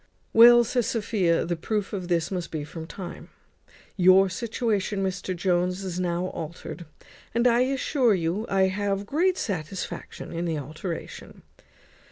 "Well," says Sophia, "the proof of this must be from time. Your situation, Mr Jones, is now altered, and I assure you I have great satisfaction in the alteration.